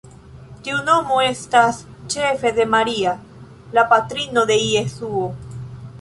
Tiu nomo estas ĉefe de Maria, la patrino de Jesuo.